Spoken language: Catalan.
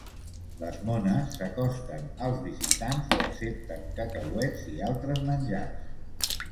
Les mones s'acosten als visitants i accepten cacauets i altres menjars.